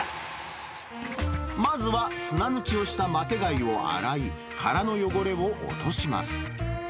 まずは砂抜きをしたマテ貝を洗い、殻の汚れを落とします。